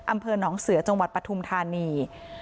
อำเภอหนองเสือจังหวัดปฐุมธานี